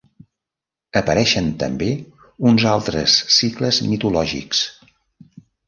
Apareixen també uns altres cicles mitològics.